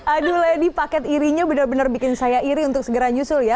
aduh lady paket irinya benar benar bikin saya iri untuk segera nyusul ya